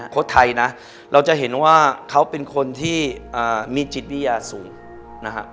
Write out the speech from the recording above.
คนไทยนะเราจะเห็นว่าเขาเป็นคนที่มีจิตวิทยาสูงนะฮะ